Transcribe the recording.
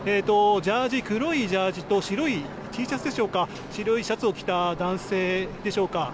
黒いジャージーと白いＴシャツでしょうか白いシャツを着た男性でしょうか。